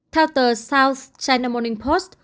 theo tờ south china morning post